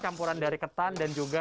hai saya coba lebih bersemangat